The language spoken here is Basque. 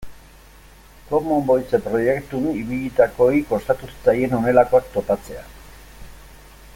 Common Voice proiektuan ibilitakoei kostatu zitzaien honelakoak topatzea.